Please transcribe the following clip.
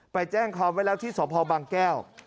ไปแจ้งความไว้แล้วที่สพบางแก้ว